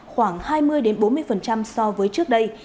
khoảng hai mươi bốn mươi so với trước đây